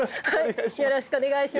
よろしくお願いします。